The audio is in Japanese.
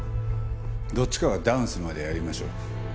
どっちかがダウンするまでやりましょう。